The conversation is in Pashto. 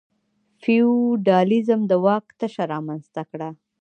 فیوډالېزم د واک تشه رامنځته کړه.